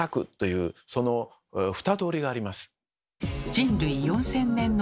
人類４，０００年の悩み